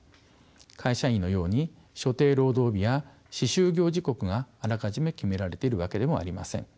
会社員のように所定労働日や始終業時刻があらかじめ決められているわけでもありません。